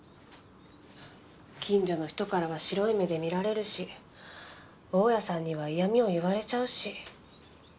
近所の人からは白い目で見られるし大家さんには嫌みを言われちゃうし。